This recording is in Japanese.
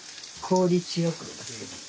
効率よく。